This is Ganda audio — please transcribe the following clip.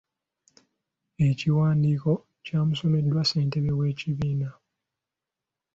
Ekiwandiiko kyamusomeddwa ssentebe w’ekibiina.